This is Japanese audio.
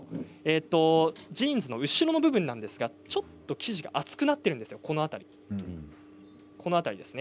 ジーンズの後ろの部分ちょっと生地が厚くなっています。